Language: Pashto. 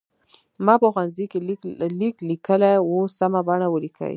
ما په ښوونځي کې لیک لیکلی و سمه بڼه ولیکئ.